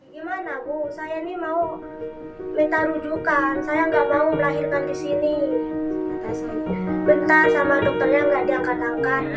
gimana bu saya ini mau minta rujukan saya nggak mau melahirkan di sini